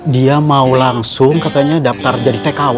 dia mau langsung katanya daftar jadi tkw